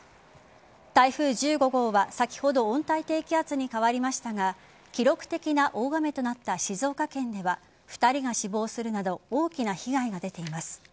台風１５号は、先ほど温帯低気圧に変わりましたが記録的な大雨となった静岡県では２人が死亡するなど大きな被害が出ています。